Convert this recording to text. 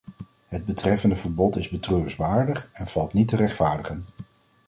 Het betreffende verbod is betreurenswaardig en valt niet te rechtvaardigen.